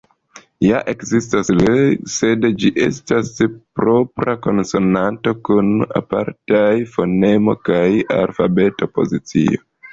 Ja ekzistas "ll", sed ĝi estas propra konsonanto kun apartaj fonemo kaj alfabeta pozicio.